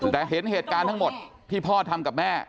แต่เห็นเหตุการณ์ทั้งหมดที่พ่อทำกับแม่